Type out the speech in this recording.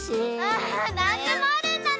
なんでもあるんだね！